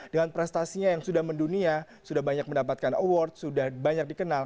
dengan prestasinya yang sudah mendunia sudah banyak mendapatkan award sudah banyak dikenal